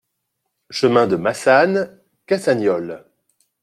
Chemin de Massanes, Cassagnoles